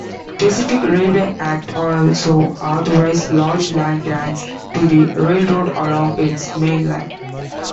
Pacific Railway Act also authorized large land grants to the railroad along its mainline.